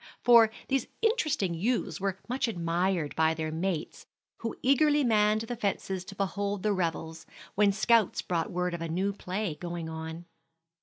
for these interesting youths were much admired by their mates, who eagerly manned the fences to behold the revels, when scouts brought word of a new play going on.